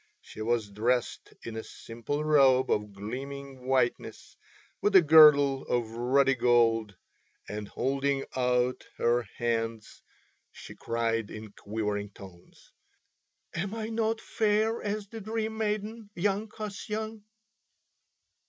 She was dressed in a simple robe of gleaming whiteness with a girdle of ruddy gold, and holding out her hands she cried in quivering tones: "Am I not fair as the Dream Maiden, young Kasyan?"